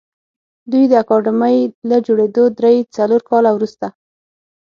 دوی د اکاډمۍ له جوړېدو درې څلور کاله وروسته